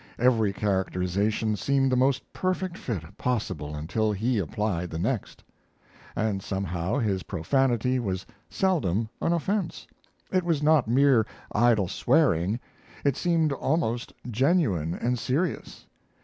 Every characterization seemed the most perfect fit possible until he applied the next. And somehow his profanity was seldom an offense. It was not mere idle swearing; it seemed always genuine and serious.